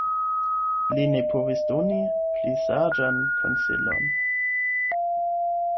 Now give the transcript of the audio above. Li ne povis doni pli saĝan konsilon.